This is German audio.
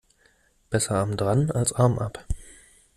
Besser arm dran als Arm ab.